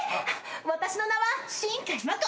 私の名は新海まこ。